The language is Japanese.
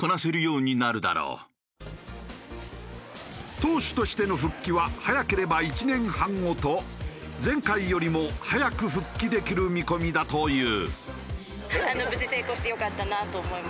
投手としての復帰は早ければ１年半後と前回よりも早く復帰できる見込みだという。